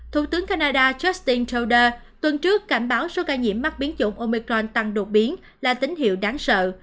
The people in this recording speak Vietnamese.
thủ tướng canada justin trowder tuần trước cảnh báo số ca nhiễm mắc biến chủng omicron tăng đột biến là tín hiệu đáng sợ